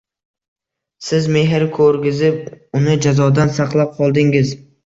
Siz mehr ko’rgizib, uni jazodan saqlab qoldingiz.